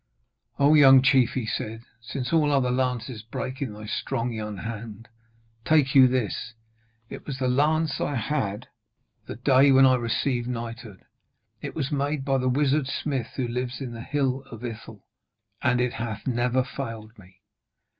'O young chief!' he said, 'since all other lances break in thy strong young hand, take you this. It was the lance I had on the day when I received knighthood. It was made by the wizard smith who lives in the Hill of Ithel, and it hath never failed me.'